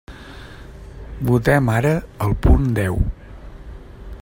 Votem ara el punt deu.